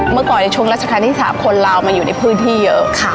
เมื่อก่อนในช่วงรัฐการณ์ที่สาปคนเรามันอยู่ในพื้นที่เยอะ